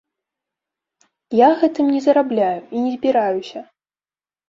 Я гэтым не зарабляю і не збіраюся.